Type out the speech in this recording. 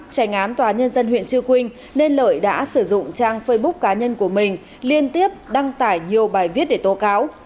trành án tòa nhân dân huyện chư quynh nên lợi đã sử dụng trang facebook cá nhân của mình liên tiếp đăng tải nhiều bài viết để tố cáo